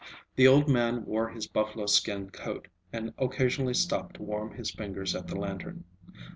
The old man wore his buffalo skin coat, and occasionally stopped to warm his fingers at the lantern.